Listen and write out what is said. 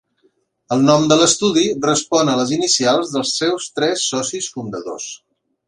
El nom de l'estudi respon a les inicials dels seus tres socis fundadors.